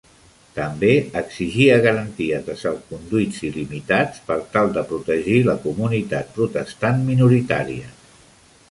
També exigia garanties de salconduits il·limitats per tal de protegir la comunitat protestant minoritària.